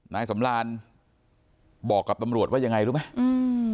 นายสำรานบอกกับตำรวจว่ายังไงรู้ไหมอืม